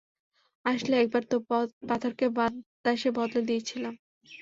আসলে, একবার তো, পাথরকে বাতাসে বদলে দিয়েছিলাম।